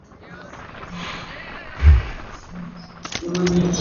wa Wajaluo watu hawa ni majirani Isitoshe kabila la Wajaluo wa Kenya na Tanzania